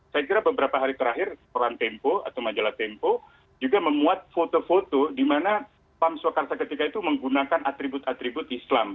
saya kira beberapa hari terakhir koran tempo atau majalah tempo juga memuat foto foto di mana pam swakarsa ketika itu menggunakan atribut atribut islam